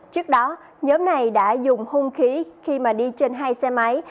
trước đó nhóm này đã dùng hung khí khi mà đi trên hai xe máy